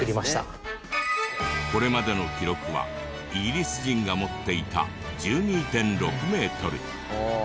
これまでの記録はイギリス人が持っていた１２．６メートル。